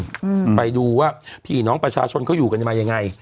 อืมไปดูว่าพี่น้องประชาชนเขาอยู่กันมายังไง